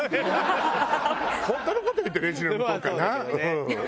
本当の事言うとレジの向こうかなうん。